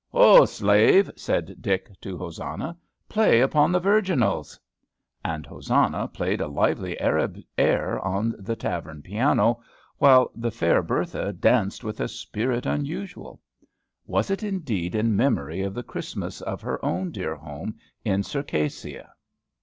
"Ho! slave," said Dick to Hosanna, "play upon the virginals." And Hosanna played a lively Arab air on the tavern piano, while the fair Bertha danced with a spirit unusual. Was it indeed in memory of the Christmas of her own dear home in Circassia?